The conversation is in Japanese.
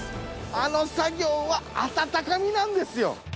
あの作業は温かみなんですよ。